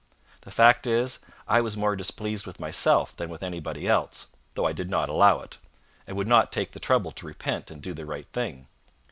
The fact is, I was more displeased with myself than with anybody else, though I did not allow it, and would not take the trouble to repent and do the right thing.